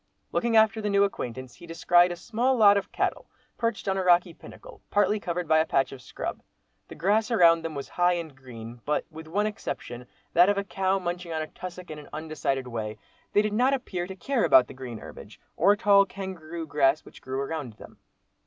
Looking after the new acquaintance he descried a small lot of cattle perched on a rocky pinnacle, partly covered by a patch of scrub. The grass around them was high and green—but, with one exception, that of a cow munching a tussac in an undecided way, they did not appear to care about the green herbage, or tall kangaroo grass which grew around them.